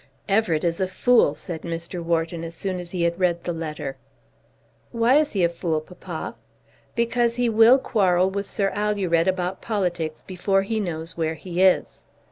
"Everett is a fool," said Mr. Wharton as soon as he had read the letter. "Why is he a fool, papa?" "Because he will quarrel with Sir Alured about politics before he knows where he is.